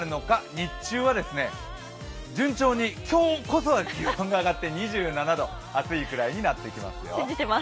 日中は順調に今日こそは気温が上がって暑いくらいになってきますよ。